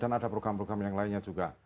dan ada program program yang lainnya juga